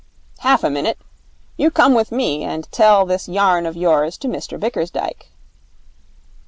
'Half a minute. You come with me and tell this yarn of yours to Mr Bickersdyke.'